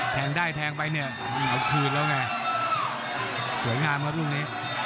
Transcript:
แทงได้แทงไปเนี่ยเอาคืนแล้วไงสวยงามครับลูกนี้